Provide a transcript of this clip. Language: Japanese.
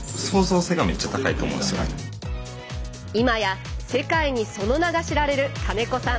今や世界にその名が知られる金子さん。